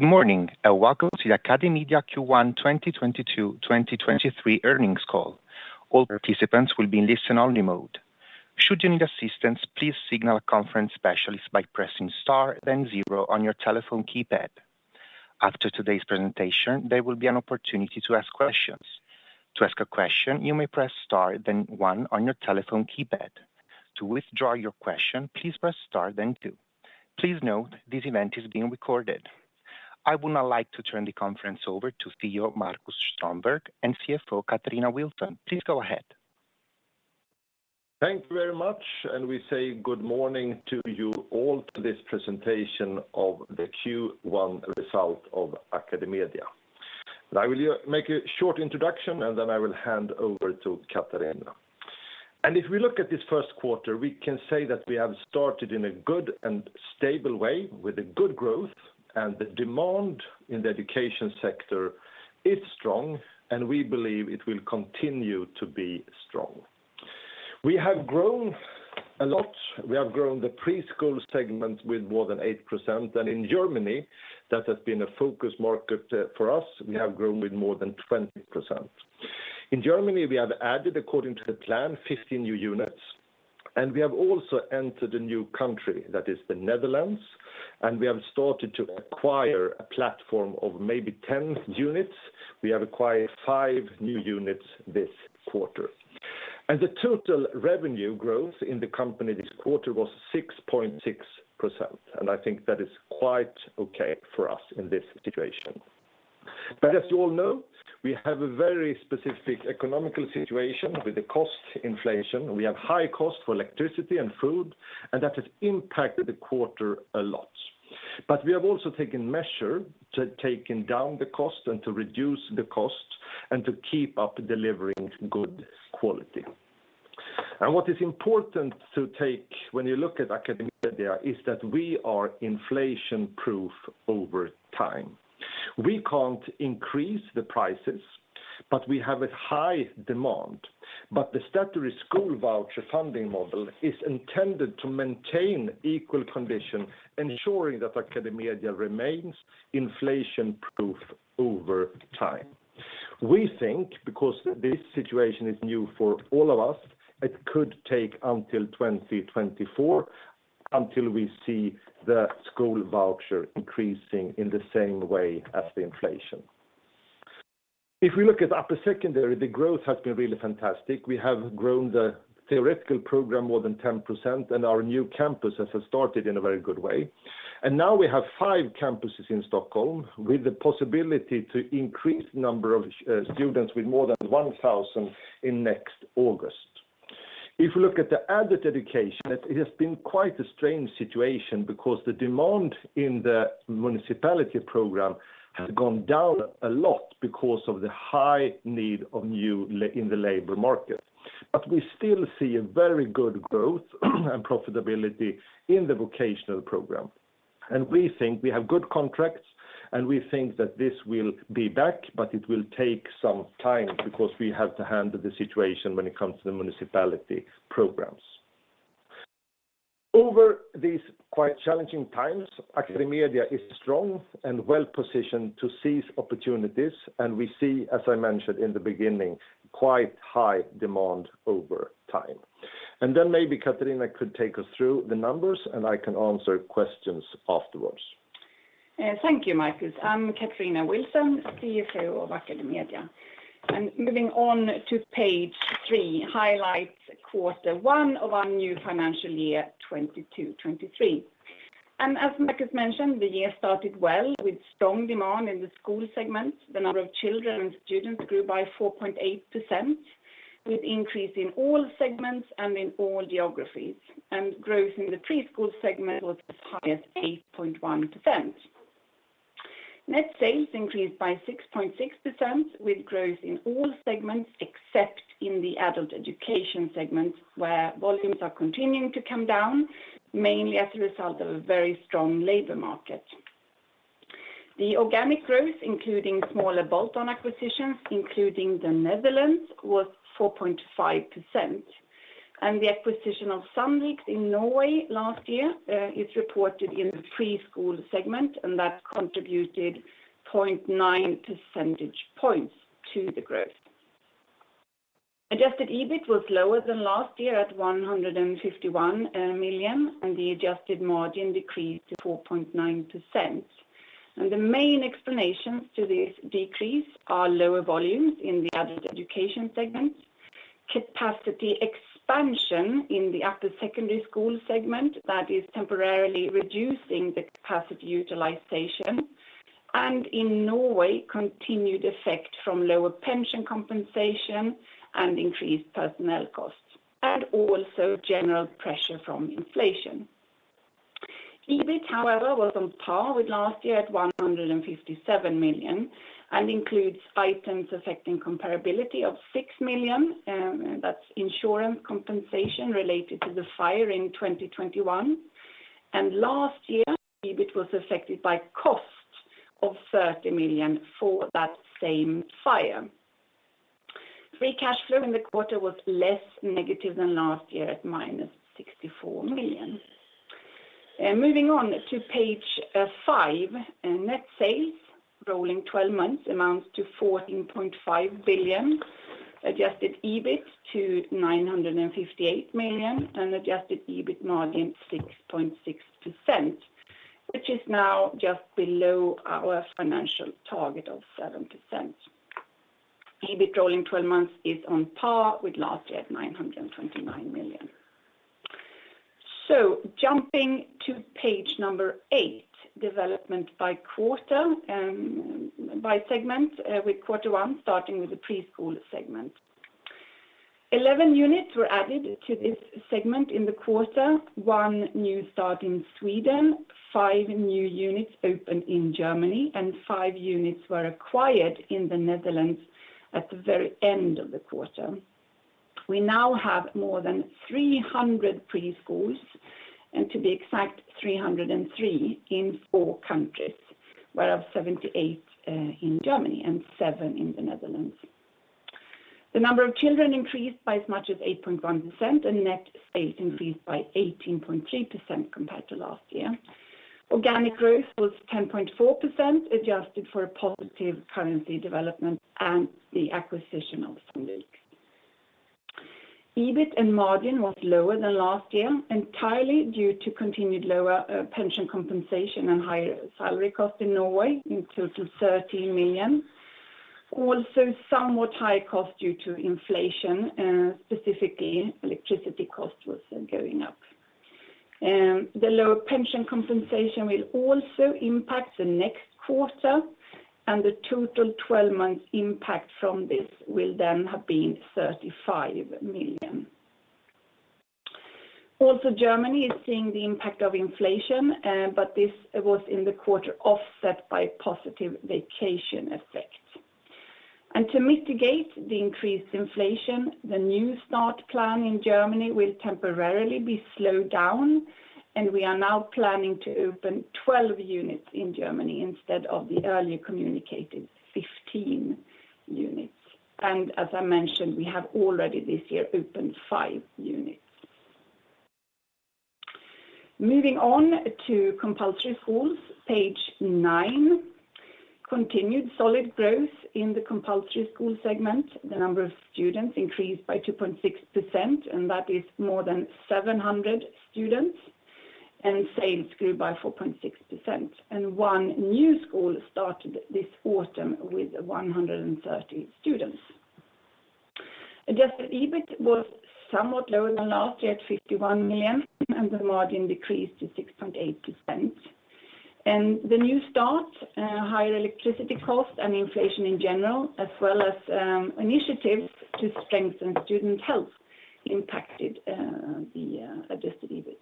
Good morning and welcome to the AcadeMedia Q1 2022/2023 earnings call. All participants will be in listen only mode. Should you need assistance, please signal a conference specialist by pressing star then zero on your telephone keypad. After today's presentation, there will be an opportunity to ask questions. To ask a question, you may press star then one on your telephone keypad. To withdraw your question, please press star then two. Please note this event is being recorded. I would now like to turn the conference over to CEO Marcus Strömberg and CFO Katarina Wilson. Please go ahead. Thank you very much, and we say good morning to you all to this presentation of the Q1 result of AcadeMedia. I will make a short introduction, and then I will hand over to Katarina. If we look at this Q1, we can say that we have started in a good and stable way with a good growth, and the demand in the education sector is strong, and we believe it will continue to be strong. We have grown a lot. We have grown the preschool segment with more than 8%. In Germany, that has been a focus market for us. We have grown with more than 20%. In Germany, we have added, according to the plan, 50 new units, and we have also entered a new country, that is the Netherlands, and we have started to acquire a platform of maybe 10 units. We have acquired five new units this quarter. The total revenue growth in the company this quarter was 6.6%, and I think that is quite okay for us in this situation. As you all know, we have a very specific economic situation with the cost inflation. We have high cost for electricity and food, and that has impacted the quarter a lot. We have also taken measure to taking down the cost and to reduce the cost and to keep up delivering good quality. What is important to take when you look at AcadeMedia is that we are inflation-proof over time. We can't increase the prices, but we have a high demand. The statutory school voucher funding model is intended to maintain equal condition, ensuring that AcadeMedia remains inflation-proof over time. We think because this situation is new for all of us, it could take until 2024 until we see the school voucher increasing in the same way as the inflation. If we look at upper secondary, the growth has been really fantastic. We have grown the theoretical program more than 10%, and our new campuses have started in a very good way. Now we have five campuses in Stockholm with the possibility to increase the number of students with more than 1,000 in next August. If you look at the Adult Education, it has been quite a strange situation because the demand in the municipality program has gone down a lot because of the high need in the labor market. But we still see a very good growth and profitability in the vocational program. We think we have good contracts, and we think that this will be back, but it will take some time because we have to handle the situation when it comes to the municipality programs. Over these quite challenging times, AcadeMedia is strong and well-positioned to seize opportunities, and we see, as I mentioned in the beginning, quite high demand over time. Then maybe Katarina could take us through the numbers, and I can answer questions afterwards. Thank you, Marcus. I'm Katarina Wilson, CFO of AcadeMedia. Moving on to page three, highlights quarter one of our new financial year 2022/2023. As Marcus mentioned, the year started well with strong demand in the school segment. The number of children and students grew by 4.8%, with increase in all segments and in all geographies. Growth in the preschool segment was as high as 8.1%. Net sales increased by 6.6%, with growth in all segments except in the adult education segment, where volumes are continuing to come down, mainly as a result of a very strong labor market. The organic growth, including smaller bolt-on acquisitions, including the Netherlands, was 4.5%. The acquisition of Sandviks AS in Norway last year is reported in the preschool segment, and that contributed 0.9 percentage points to the growth. Adjusted EBIT was lower than last year at 151 million, and the adjusted margin decreased to 4.9%. The main explanations to this decrease are lower volumes in the adult education segment, capacity expansion in the upper secondary school segment that is temporarily reducing the capacity utilization, and in Norway, continued effect from lower pension compensation and increased personnel costs, and also general pressure from inflation. EBIT, however, was on par with last year at 157 million and includes items affecting comparability of 6 million, that's insurance compensation related to the fire in 2021. Last year, EBIT was affected by costs of 30 million for that same fire. Free cash flow in the quarter was less negative than last year at -64 million. Moving on to page five, net sales rolling twelve months amounts to 14.5 billion, adjusted EBIT to 958 million, and adjusted EBIT margin 6.6%, which is now just below our financial target of 7%. EBIT rolling twelve months is on par with last year at 929 million. Jumping to page number eight, development by quarter, by segment, with quarter one, starting with the preschool segment. 11 units were added to this segment in the quarter, one new start in Sweden, five new units opened in Germany, and five units were acquired in the Netherlands at the very end of the quarter. We now have more than 300 preschools, and to be exact, 303 in four countries, of which 78 in Germany and seven in the Netherlands. The number of children increased by as much as 8.1%, and net sales increased by 18.3% compared to last year. Organic growth was 10.4% adjusted for a positive currency development and the acquisition of Sandviks AS. EBIT and margin was lower than last year entirely due to continued lower pension compensation and higher salary costs in Norway in total 13 million. Also, somewhat high cost due to inflation, specifically, electricity cost was going up. The lower pension compensation will also impact the next quarter, and the total 12 months impact from this will then have been 35 million. Germany is seeing the impact of inflation, but this was in the quarter offset by positive vacation effects. To mitigate the increased inflation, the new start plan in Germany will temporarily be slowed down, and we are now planning to open 12 units in Germany instead of the earlier communicated 15 units. As I mentioned, we have already this year opened five units. Moving on to compulsory schools, page nine. Continued solid growth in the compulsory school segment. The number of students increased by 2.6%, and that is more than 700 students, and sales grew by 4.6%. One new school started this autumn with 130 students. Adjusted EBIT was somewhat lower than last year at 51 million, and the margin decreased to 6.8%. The new start, higher electricity cost and inflation in general, as well as initiatives to strengthen student health impacted the adjusted EBIT.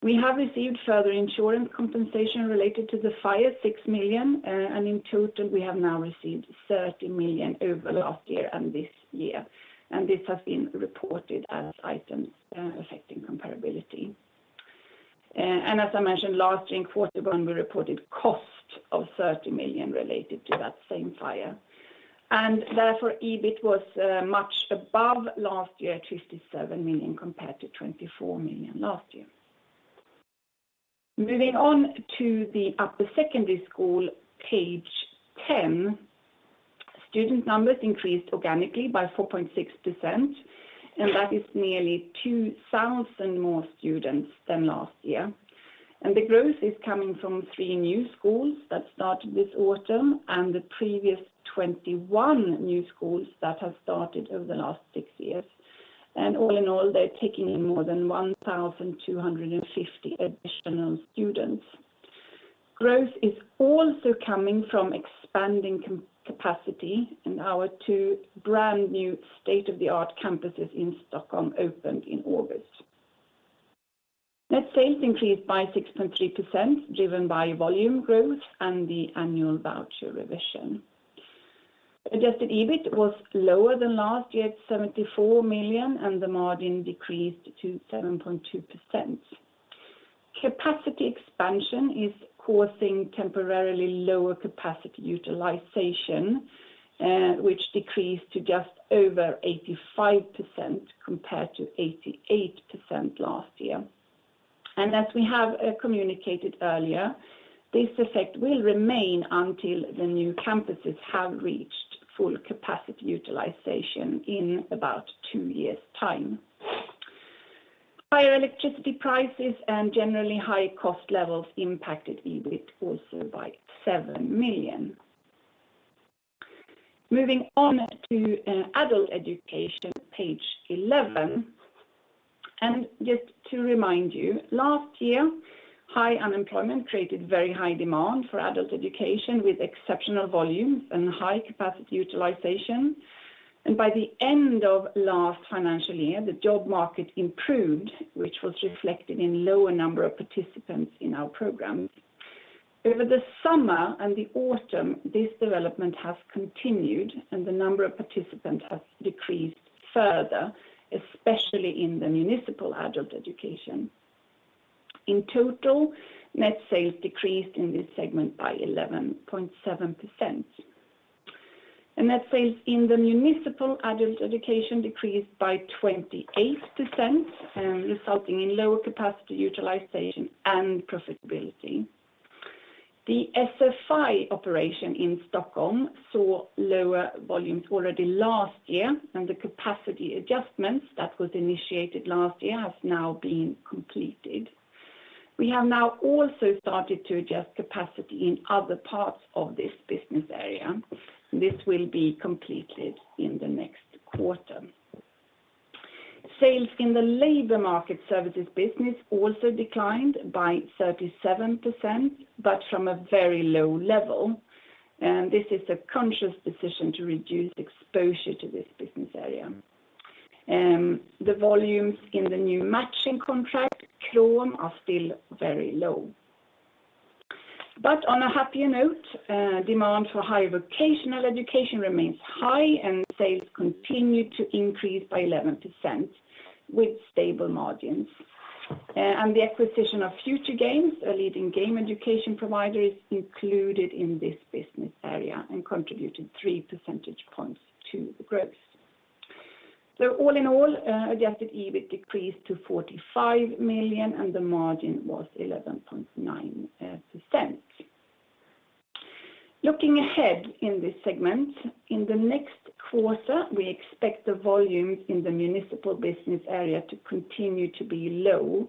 We have received further insurance compensation related to the fire, 6 million, and in total, we have now received 30 million over last year and this year, and this has been reported as items affecting comparability. And as I mentioned, last year in Q1, we reported cost of 30 million related to that same fire. Therefore, EBIT was much above last year at 57 million compared to 24 million last year. Moving on to the upper secondary school, page ten. Student numbers increased organically by 4.6%, and that is nearly 2,000 more students than last year. The growth is coming from three new schools that started this autumn and the previous 21 new schools that have started over the last six years. All in all, they're taking in more than 1,250 additional students. Growth is also coming from expanding capacity in our two-brand new state-of-the-art campuses in Stockholm opened in August. Net sales increased by 6.3%, driven by volume growth and the annual voucher revision. Adjusted EBIT was lower than last year at 74 million, and the margin decreased to 7.2%. Capacity expansion is causing temporarily lower capacity utilization, which decreased to just over 85% compared to 88% last year. As we have communicated earlier, this effect will remain until the new campuses have reached full capacity utilization in about two years' time. Higher electricity prices and generally high cost levels impacted EBIT also by 7 million. Moving on to Adult Education, page 11. Just to remind you, last year, high unemployment created very high demand for Adult Education with exceptional volumes and high capacity utilization. By the end of last financial year, the job market improved, which was reflected in lower number of participants in our programs. Over the summer and the autumn, this development has continued, and the number of participants has decreased further, especially in the municipal Adult Education. In total, net sales decreased in this segment by 11.7%. Net sales in the municipal Adult Education decreased by 28%, resulting in lower capacity utilization and profitability. The SFI operation in Stockholm saw lower volumes already last year, and the capacity adjustments that was initiated last year has now been completed. We have now also started to adjust capacity in other parts of this business area. This will be completed in the next quarter. Sales in the labor market services business also declined by 37%, but from a very low level. This is a conscious decision to reduce exposure to this business area. The volumes in the new matching contract, Krom, are still very low. On a happier note, demand for higher vocational education remains high, and sales continued to increase by 11% with stable margins. The acquisition of Futuregames, a leading game education provider, is included in this business area and contributed three percentage points to the growth. All in all, adjusted EBIT decreased to 45 million, and the margin was 11.9%. Looking ahead in this segment, in the next quarter, we expect the volumes in the municipal business area to continue to be low.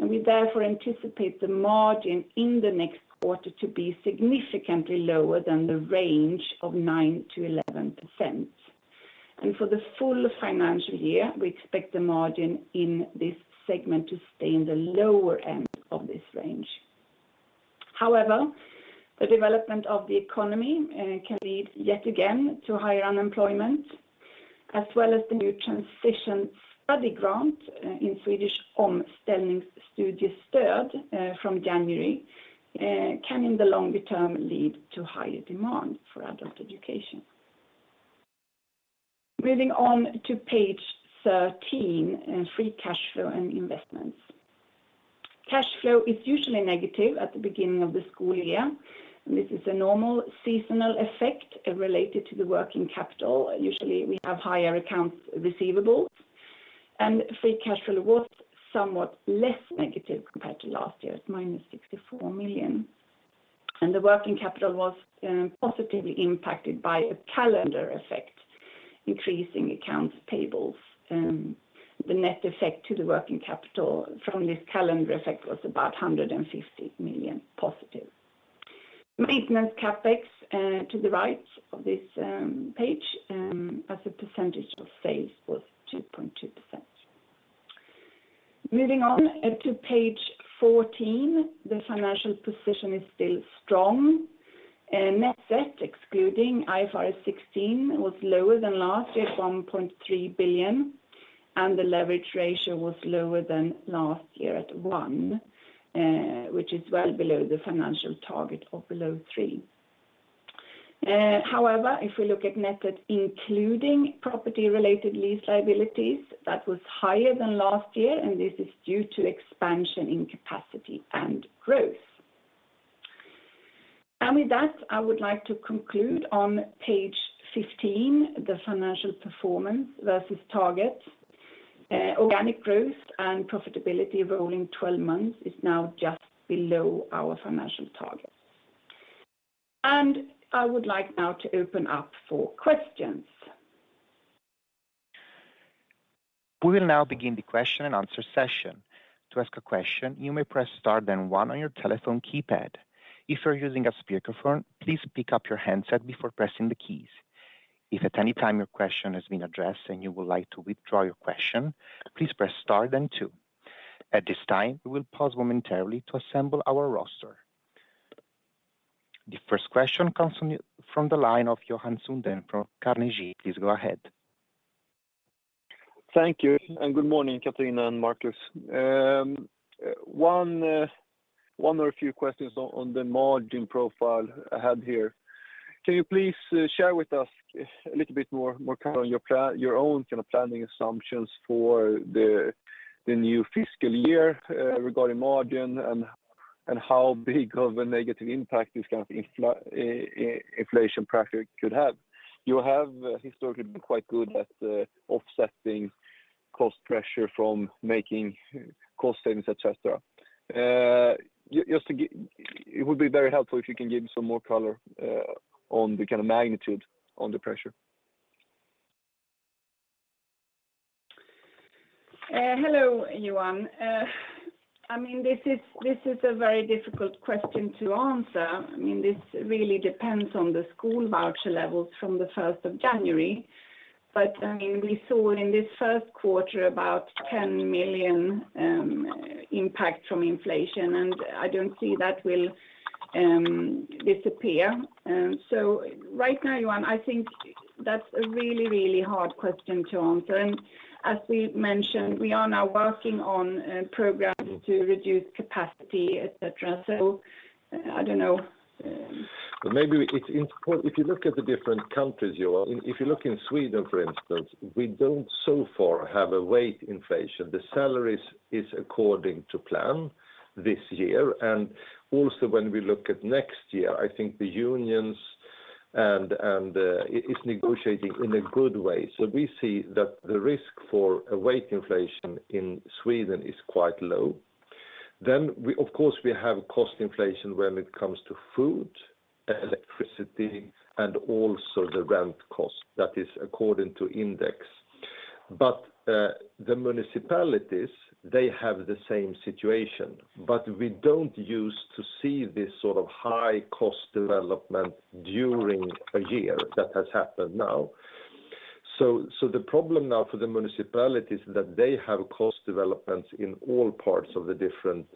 We therefore anticipate the margin in the next quarter to be significantly lower than the range of 9%-11%. For the full financial year, we expect the margin in this segment to stay in the lower end of this range. However, the development of the economy can lead yet again to higher unemployment, as well as the new transition study grant in Swedish Omställningsstudiestöd from January can in the longer term lead to higher demand for adult education. Moving on to page 13, free cash flow and investments. Cash flow is usually negative at the beginning of the school year. This is a normal seasonal effect related to the working capital. Usually, we have higher accounts receivables. Free cash flow was somewhat less negative compared to last year at -64 million. The working capital was positively impacted by a calendar effect, increasing accounts payables. The net effect to the working capital from this calendar effect was about 150 million positive. Maintenance CapEx to the right of this page as a percentage of sales was 2.2%. Moving on to page 14, the financial position is still strong. Net debt excluding IFRS 16 was lower than last year at 1.3 billion, and the leverage ratio was lower than last year at one, which is well below the financial target of below three. However, if we look at net debt including property-related lease liabilities, that was higher than last year, and this is due to expansion in capacity and growth. With that, I would like to conclude on page 15, the financial performance versus targets. Organic growth and profitability of all in 12 months is now just below our financial targets. I would like now to open up for questions. We will now begin the question-and-answer session. To ask a question, you may press star then one on your telephone keypad. If you're using a speakerphone, please pick up your handset before pressing the keys. If at any time your question has been addressed and you would like to withdraw your question, please press star then two. At this time, we will pause momentarily to assemble our roster. The first question comes from the line of Johan Lönnqvist Sundén from Carnegie. Please go ahead. Thank you. Good morning, Katarina and Marcus. One or a few questions on the margin profile I had here. Can you please share with us a little bit more color on your own kind of planning assumptions for the new fiscal year regarding margin and how big of a negative impact this kind of inflation pressure could have? You have historically been quite good at offsetting cost pressure from making cost savings, et cetera. It would be very helpful if you can give some more color on the kind of magnitude on the pressure. Hello, Johan. I mean, this is a very difficult question to answer. I mean, this really depends on the school voucher levels from the first of January. We saw in this Q1 about 10 million impact from inflation, and I don't see that will disappear. Right now, Johan, I think that's a really hard question to answer. As we mentioned, we are now working on programs to reduce capacity, et cetera. I don't know. Maybe it's important if you look at the different countries, Johan Lönnqvist Sundén, if you look in Sweden, for instance, we don't so far have a wage inflation. The salaries is according to plan this year. Also when we look at next year, I think the unions and it's negotiating in a good way. We see that the risk for a wage inflation in Sweden is quite low. Of course, we have cost inflation when it comes to food, electricity, and also the rent cost that is according to index. The municipalities, they have the same situation. We don't use to see this sort of high cost development during a year that has happened now. The problem now for the municipalities is that they have cost developments in all parts of the different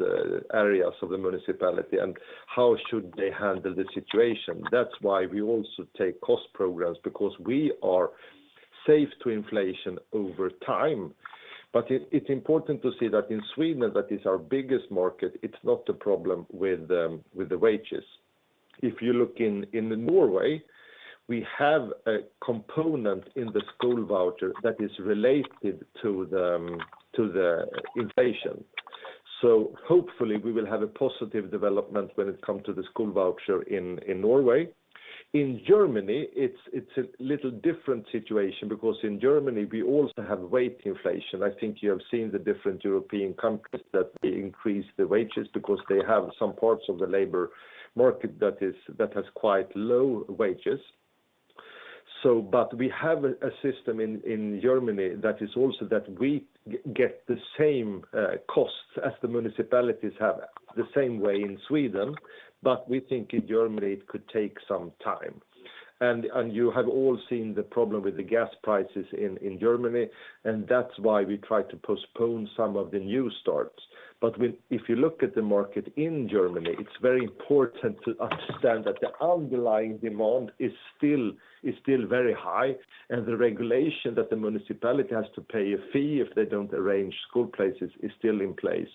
areas of the municipality, and how should they handle the situation? That's why we also take cost programs because we are safe to inflation over time. It's important to see that in Sweden, that is our biggest market, it's not a problem with the wages. If you look in Norway, we have a component in the school voucher that is related to the inflation. Hopefully we will have a positive development when it come to the school voucher in Norway. In Germany, it's a little different situation because in Germany, we also have wage inflation. I think you have seen the different European countries that they increase the wages because they have some parts of the labor market that has quite low wages. We have a system in Germany that is also that we get the same costs as the municipalities have the same way in Sweden, but we think in Germany it could take some time. You have all seen the problem with the gas prices in Germany, and that's why we try to postpone some of the new starts. If you look at the market in Germany, it's very important to understand that the underlying demand is still very high, and the regulation that the municipality has to pay a fee if they don't arrange school places is still in place.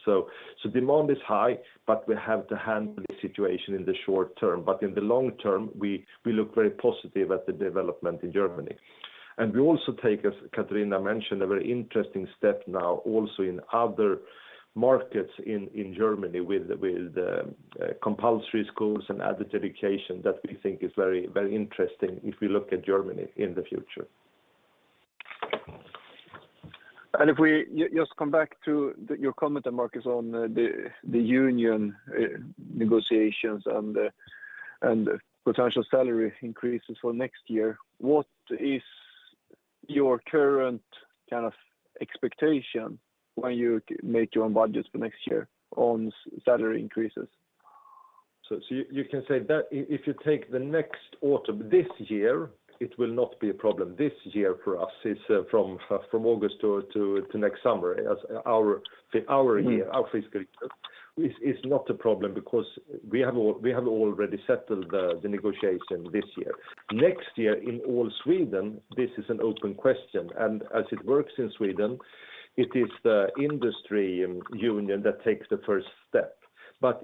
Demand is high, but we have to handle the situation in the short term. In the long term, we look very positive at the development in Germany. We also take, as Katarina mentioned, a very interesting step now also in other markets in Germany with the compulsory schools and adult education that we think is very interesting if we look at Germany in the future. If we just come back to your comment, Marcus, on the union negotiations and potential salary increases for next year, what is your current, kind of expectation when you make your own budget for next year on salary increases? You can say that if you take the next autumn this year, it will not be a problem. This year for us is from August to next summer. As our fiscal year is not a problem because we have already settled the negotiation this year. Next year in all Sweden, this is an open question. As it works in Sweden, it is the industry and union that takes the first step.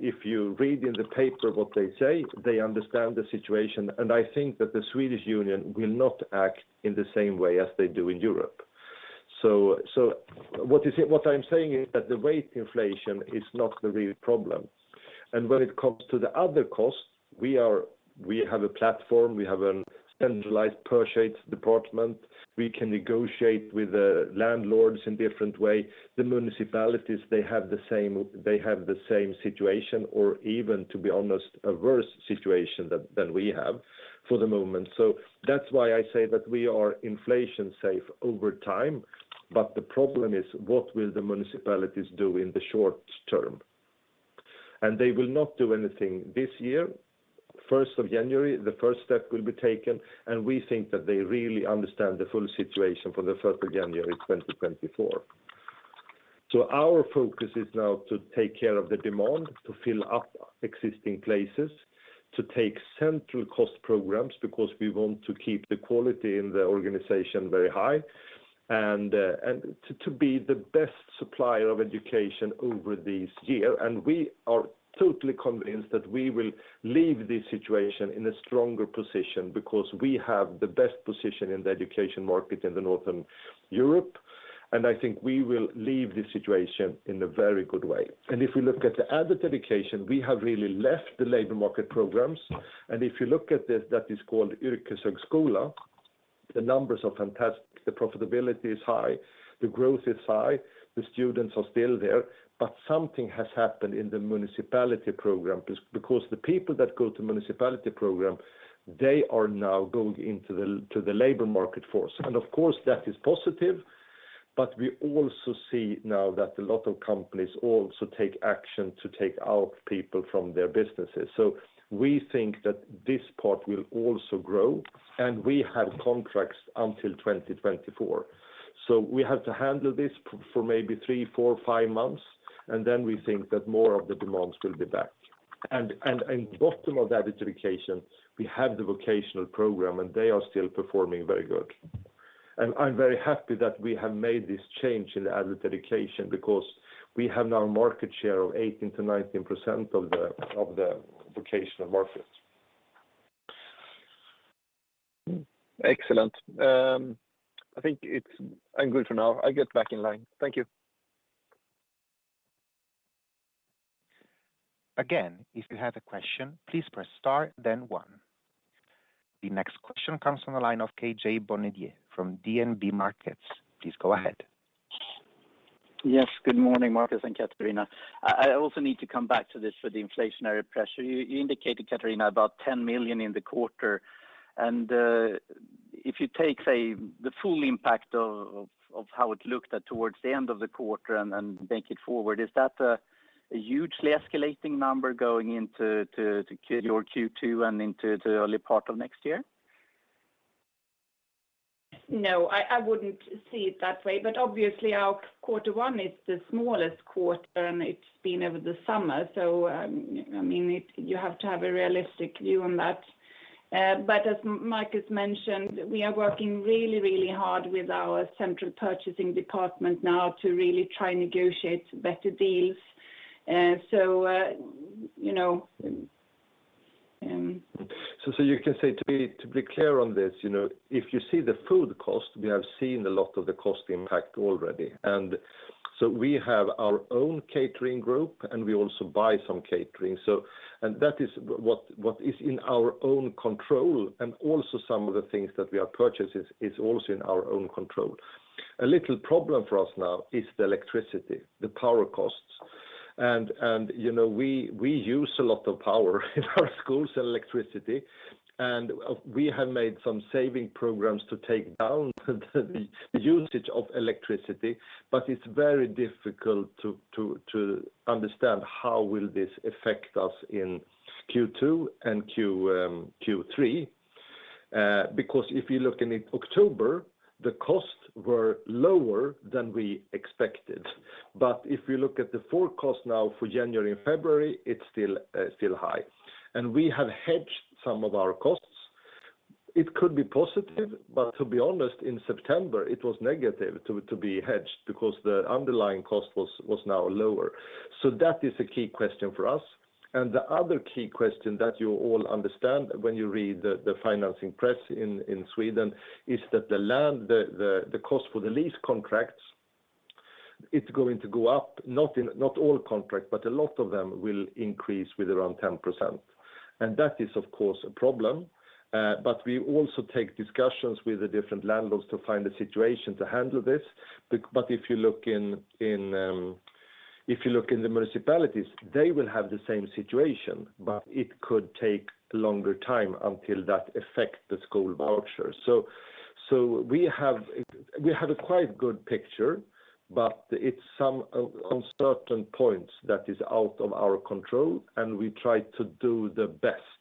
If you read in the paper what they say, they understand the situation, and I think that the Swedish Union will not act in the same way as they do in Europe. What I'm saying is that the wage inflation is not the real problem. When it comes to the other costs, we have a platform, we have a centralized purchase department. We can negotiate with the landlords in different way. The municipalities, they have the same situation or even, to be honest, a worse situation than we have for the moment. That's why I say that we are inflation safe over time. The problem is, what will the municipalities do in the short term? They will not do anything this year. First of January, the first step will be taken, and we think that they really understand the full situation for the first of January 2024. Our focus is now to take care of the demand, to fill up existing places, to take central cost programs because we want to keep the quality in the organization very high and to be the best supplier of education over this year. We are totally convinced that we will leave this situation in a stronger position because we have the best position in the education market in the Northern Europe. I think we will leave this situation in a very good way. If we look at the Adult Education, we have really left the labor market programs. If you look at this, that is called Yrkeshögskola, the numbers are fantastic, the profitability is high, the growth is high, the students are still there. Something has happened in the municipality program because the people that go to municipality program, they are now going into the labor market force. Of course, that is positive. We also see now that a lot of companies also take action to take out people from their businesses. We think that this part will also grow, and we have contracts until 2024. We have to handle this for maybe three, four, five months, and then we think that more of the demands will be back. Bottom of that education, we have the vocational program, and they are still performing very good. I'm very happy that we have made this change in the adult education because we have now market share of 18%-19% of the vocational markets. Excellent. I'm good for now. I get back in line. Thank you. Again, if you have a question, please press star then one. The next question comes from the line of Petter Sylvan from DNB Markets. Please go ahead. Yes, good morning, Marcus and Katarina. I also need to come back to this for the inflationary pressure. You indicated, Katarina, about 10 million in the quarter. If you take, say, the full impact of how it looked towards the end of the quarter and take it forward, is that a hugely escalating number going into your Q2 and into the early part of next year? No, I wouldn't see it that way. Obviously, our quarter one is the smallest quarter, and it's been over the summer. I mean, you have to have a realistic view on that. As Marcus mentioned, we are working really, really hard with our central purchasing department now to really try and negotiate better deals. To be clear on this, you know, if you see the food cost, we have seen a lot of the cost impact already. We have our own catering group, and we also buy some catering. That is what is in our own control. Also some of the things that we are purchasing is also in our own control. A little problem for us now is the electricity, the power costs. You know, we use a lot of power in our schools and electricity. We have made some saving programs to take down the usage of electricity. But it's very difficult to understand how will this affect us in Q2 and Q3. Because if you look in October, the costs were lower than we expected. If you look at the forecast now for January and February, it's still high. We have hedged some of our costs. It could be positive, but to be honest, in September, it was negative to be hedged because the underlying cost was now lower. That is a key question for us. The other key question that you all understand when you read the financial press in Sweden is that the rent, the cost for the lease contracts, it's going to go up, not all contracts, but a lot of them will increase with around 10%. That is, of course, a problem. We also take discussions with the different landlords to find a situation to handle this. If you look in the municipalities, they will have the same situation, but it could take longer time until that affect the school voucher. We have a quite good picture, but it's some uncertain points that is out of our control, and we try to do the best.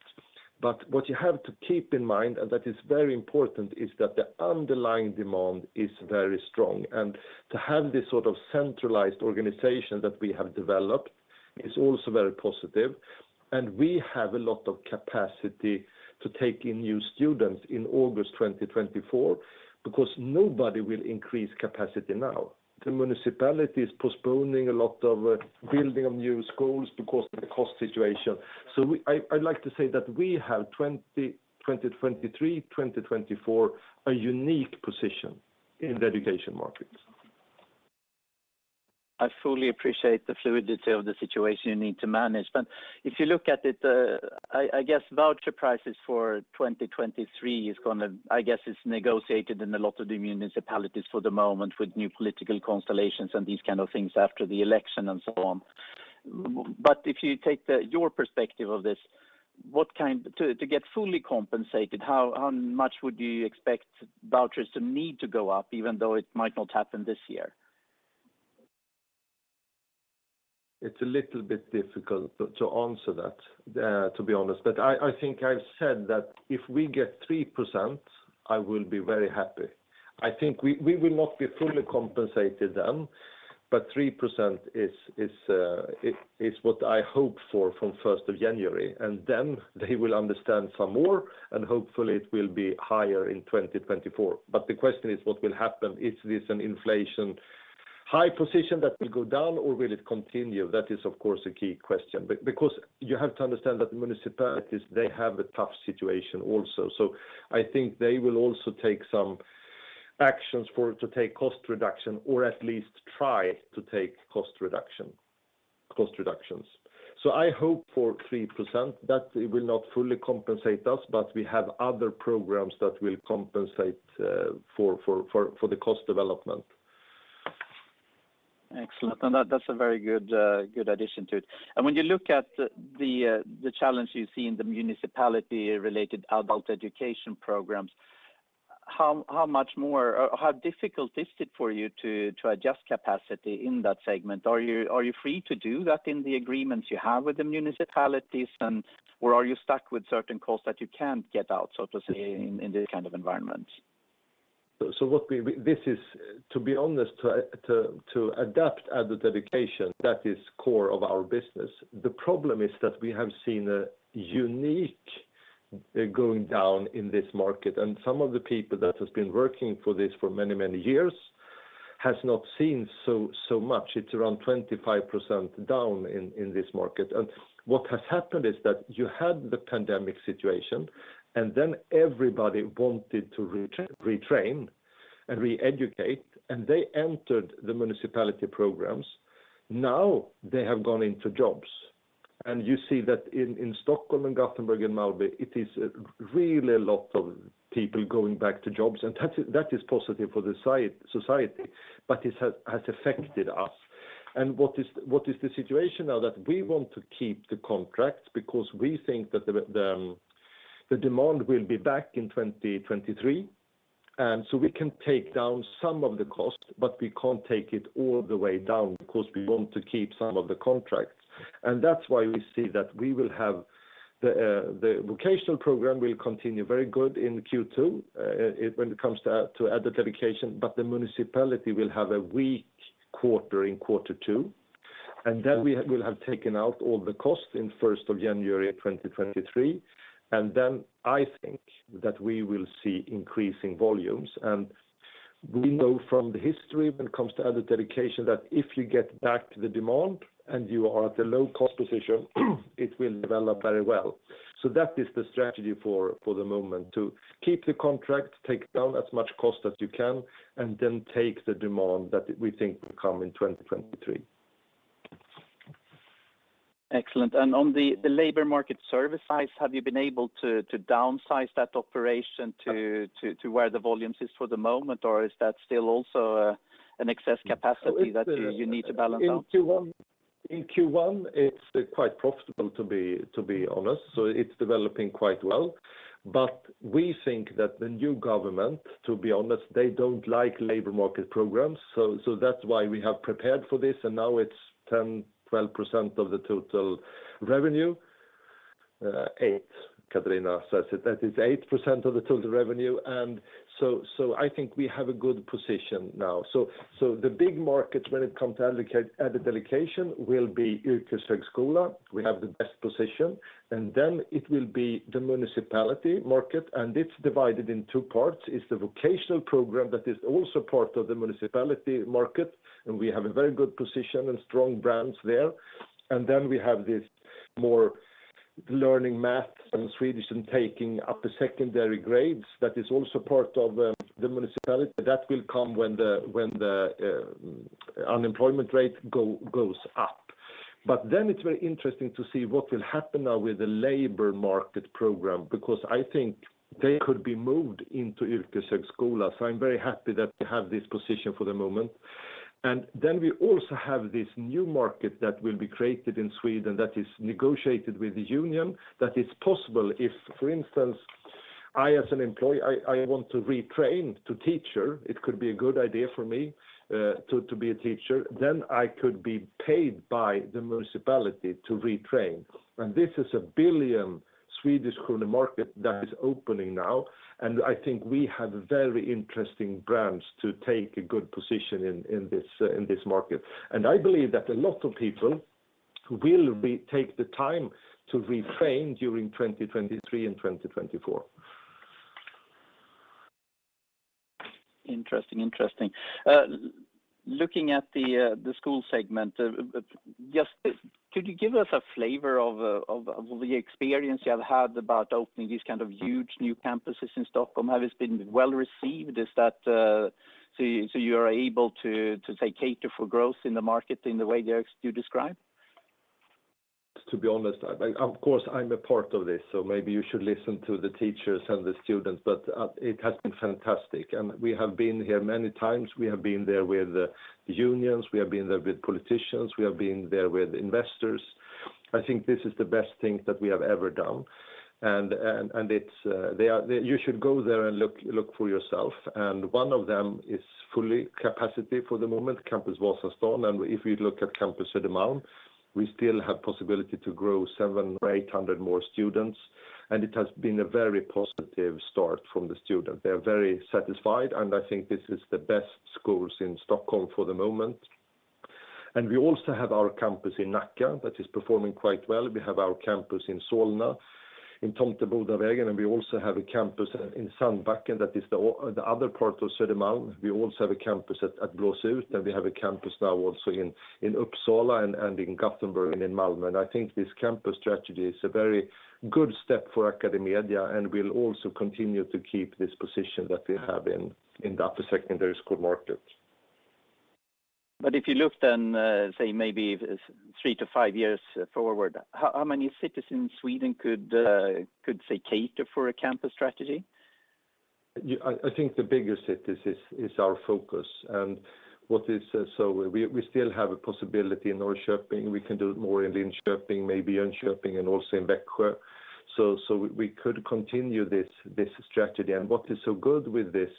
What you have to keep in mind, and that is very important, is that the underlying demand is very strong. To have this sort of centralized organization that we have developed is also very positive. We have a lot of capacity to take in new students in August 2024 because nobody will increase capacity now. The municipality is postponing a lot of building of new schools because of the cost situation. I'd like to say that we have 2020, 2023, 2024, a unique position in the education markets. I fully appreciate the fluidity of the situation you need to manage. If you look at it, I guess voucher prices for 2023 is gonna, I guess, is negotiated in a lot of the municipalities for the moment with new political constellations and these kind of things after the election and so on. If you take your perspective of this, to get fully compensated, how much would you expect vouchers to need to go up, even though it might not happen this year? It's a little bit difficult to answer that, to be honest. I think I've said that if we get 3%, I will be very happy. I think we will not be fully compensated then, but 3% is what I hope for from first of January. Then they will understand some more, and hopefully, it will be higher in 2024. The question is what will happen? Is this an inflation high position that will go down or will it continue? That is, of course, a key question. Because you have to understand that the municipalities, they have a tough situation also. I think they will also take some actions for it to take cost reduction or at least try to take cost reductions. I hope for 3% that it will not fully compensate us, but we have other programs that will compensate for the cost development. Excellent. That's a very good addition to it. When you look at the challenge you see in the municipality related adult education programs, how much more or how difficult is it for you to adjust capacity in that segment? Are you free to do that in the agreements you have with the municipalities and or are you stuck with certain costs that you can't get out, so to say, in this kind of environment? This is, to be honest, to adapt Adult Education, that is core of our business. The problem is that we have seen a unique. They're going down in this market. Some of the people that has been working for this for many years has not seen so much. It's around 25% down in this market. What has happened is that you had the pandemic situation, and then everybody wanted to retrain and re-educate, and they entered the municipality programs. Now they have gone into jobs. You see that in Stockholm and Gothenburg and Malmö, it is really a lot of people going back to jobs, and that is positive for the society, but it has affected us. What is the situation now that we want to keep the contracts because we think that the demand will be back in 2023, and so we can take down some of the cost, but we can't take it all the way down because we want to keep some of the contracts. That's why we see that we will have the vocational program will continue very good in Q2 when it comes to Adult Education, but the municipality will have a weak quarter in quarter two, and then we will have taken out all the costs in first of January 2023. Then I think that we will see increasing volumes. We know from the history when it comes to Adult Education, that if you get back to the demand and you are at a low cost position, it will develop very well. That is the strategy for the moment, to keep the contract, take down as much cost as you can, and then take the demand that we think will come in 2023. Excellent. On the labor market service side, have you been able to downsize that operation to where the volumes is for the moment? Or is that still also an excess capacity that you need to balance out? In Q1, it's quite profitable, to be honest. It's developing quite well. We think that the new government, to be honest, they don't like labor market programs. That's why we have prepared for this. Now it's 10%-12% of the total revenue. Eight, Katarina says it. That is 8% of the total revenue. I think we have a good position now. The big markets when it comes to Adult Education will be Yrkeshögskola. We have the best position. Then it will be the municipality market, and it's divided in two parts. It's the vocational program that is also part of the municipality market, and we have a very good position and strong brands there. We have this more learning math and Swedish and taking up the secondary grades that is also part of the municipality. That will come when the unemployment rate goes up. It's very interesting to see what will happen now with the labor market program, because I think they could be moved into Yrkeshögskola. I'm very happy that we have this position for the moment. We also have this new market that will be created in Sweden that is negotiated with the union. That it's possible if, for instance, I, as an employee, want to retrain to teacher, it could be a good idea for me to be a teacher, then I could be paid by the municipality to retrain. This is a 1 billion market that is opening now. I think we have very interesting brands to take a good position in this market. I believe that a lot of people will take the time to retrain during 2023 and 2024. Interesting. Looking at the school segment, just could you give us a flavor of the experience you have had about opening these kind of huge new campuses in Stockholm? Has it been well received? You are able to, say, cater for growth in the market in the way that you describe? To be honest, of course, I'm a part of this, so maybe you should listen to the teachers and the students. It has been fantastic. We have been here many times. We have been there with the unions, we have been there with politicians, we have been there with investors. I think this is the best thing that we have ever done. It's. You should go there and look for yourself. One of them is full capacity for the moment, Campus Vasastan. If you look at Campus Södermalm, we still have possibility to grow 700 or 800 more students. It has been a very positive start from the student. They are very satisfied, and I think this is the best schools in Stockholm for the moment. We also have our campus in Nacka that is performing quite well. We have our campus in Solna, in Tomtebodavägen, and we also have a campus in Sandbacken that is the other part of Södermalm. We also have a campus at Blåsut, and we have a campus now also in Uppsala and in Gothenburg and in Malmö. I think this campus strategy is a very good step for AcadeMedia, and we'll also continue to keep this position that we have in that secondary school market. If you look then, say, maybethree to five years forward, how many cities in Sweden could say cater for a campus strategy? I think the bigger cities is our focus. What is so. We still have a possibility in Norrköping. We can do more in Linköping, maybe Jönköping, and also in Växjö. We could continue this strategy. What is so good with this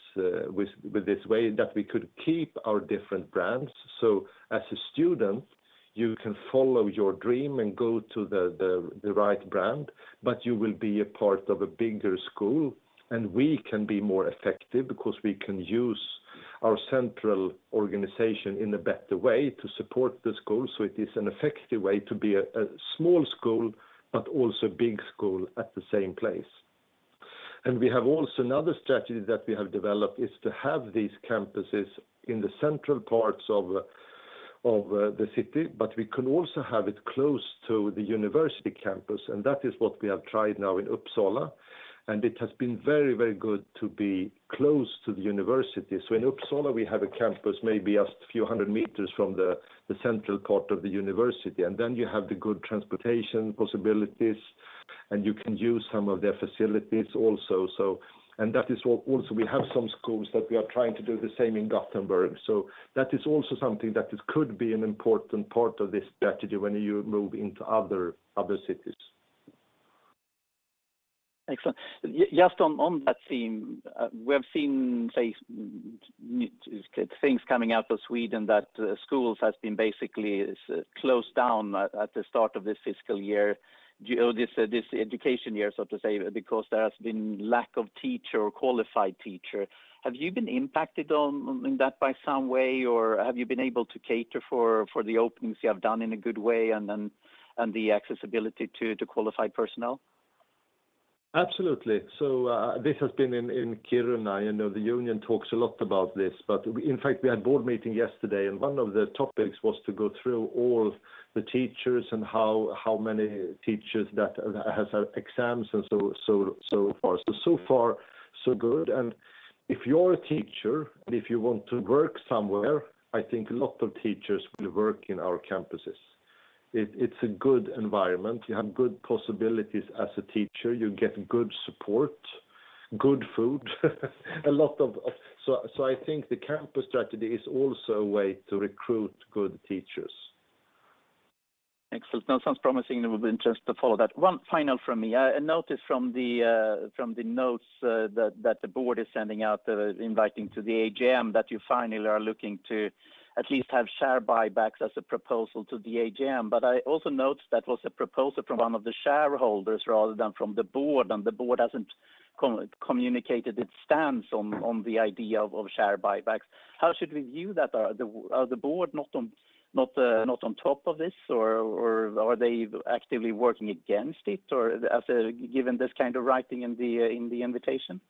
way is that we could keep our different brands. As a student, you can follow your dream and go to the right brand, but you will be a part of a bigger school, and we can be more effective because we can use our central organization in a better way to support the school so it is an effective way to be a small school but also big school at the same place. We have also another strategy that we have developed is to have these campuses in the central parts of the city, but we can also have it close to the university campus, and that is what we have tried now in Uppsala. It has been very good to be close to the university. In Uppsala, we have a campus maybe just a few hundred meters from the central part of the university. Then you have the good transportation possibilities, and you can use some of their facilities also. That is also. We have some schools that we are trying to do the same in Gothenburg. That is also something that could be an important part of this strategy when you move into other cities. Excellent. Yeah, just on that theme, we have seen, say, in the news things coming out of Sweden that schools have been basically closed down at the start of this fiscal year, this education year, so to say, because there has been lack of teachers or qualified teachers. Have you been impacted in that by some way, or have you been able to cater for the openings you have done in a good way and the accessibility to qualified personnel? Absolutely. This has been in Kiruna. I know the union talks a lot about this. In fact, we had board meeting yesterday, and one of the topics was to go through all the teachers and how many teachers that has exams and so far. So far, so good. If you're a teacher, and if you want to work somewhere, I think a lot of teachers will work in our campuses. It's a good environment. You have good possibilities as a teacher. You get good support, good food. I think the campus strategy is also a way to recruit good teachers. Excellent. That sounds promising. It will be interesting to follow that. One final from me. I noticed from the notes that the board is sending out inviting to the AGM that you finally are looking to at least have share buybacks as a proposal to the AGM. I also note that was a proposal from one of the shareholders rather than from the board, and the board hasn't communicated its stance on the idea of share buybacks. How should we view that? Are the board not on top of this, or are they actively working against it, or given this kind of writing in the invitation?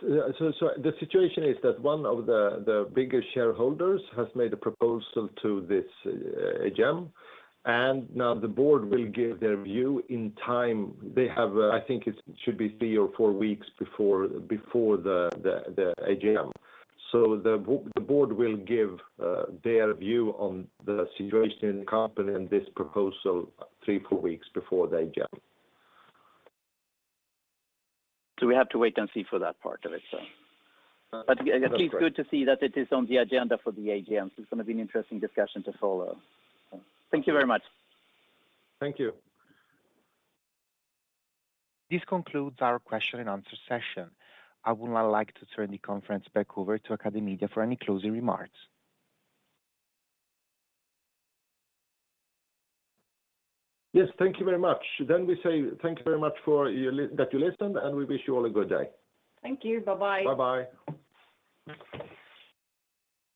The situation is that one of the biggest shareholders has made a proposal to this AGM, and now the board will give their view in time. They have, I think it should be three or four weeks before the AGM. The board will give their view on the situation in the company and this proposal three or four weeks before the AGM. We have to wait and see for that part of it, so. That's right. At least good to see that it is on the agenda for the AGM. It's gonna be an interesting discussion to follow. Thank you very much. Thank you. This concludes our question and answer session. I would now like to turn the conference back over to AcadeMedia for any closing remarks. Yes, thank you very much. We say thank you very much for listening, and we wish you all a good day. Thank you. Bye-bye. Bye-bye.